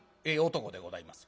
男でございます。